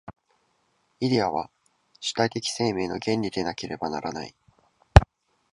イデヤは主体的生命の原理でなければならない。